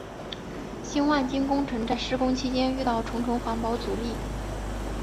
新万金工程在施工期间遇到重重环保阻力。